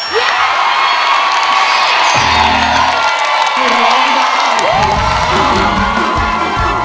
ดีใจดีใจ